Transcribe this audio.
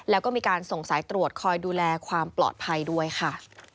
แล้วก็มีการส่งสายตรวจคอยดูแลความปลอดภัยด้วยค่ะ